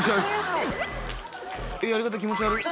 やり方気持ち悪っ。